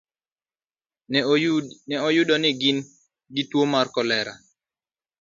Ne oyudi ni gin gi tuwo mar kolera.